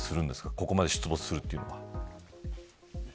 ここまで出没するというのは。